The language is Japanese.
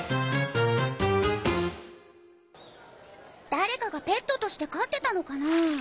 誰かがペットとして飼ってたのかなぁ？